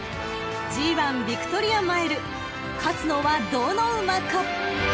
［ＧⅠヴィクトリアマイル勝つのはどの馬か？］